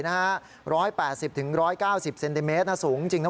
นะฮะร้อยแปดสิบถึงร้อยเก้าสิบเซนติเมตรนะสูงจริงนะ